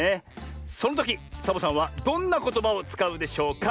そのときサボさんはどんなことばをつかうでしょうか？